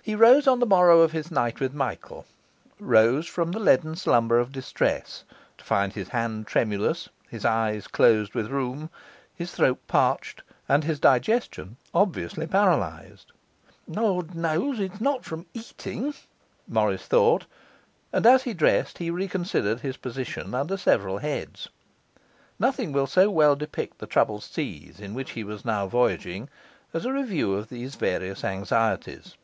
He rose on the morrow of his night with Michael, rose from the leaden slumber of distress, to find his hand tremulous, his eyes closed with rheum, his throat parched, and his digestion obviously paralysed. 'Lord knows it's not from eating!' Morris thought; and as he dressed he reconsidered his position under several heads. Nothing will so well depict the troubled seas in which he was now voyaging as a review of these various anxieties.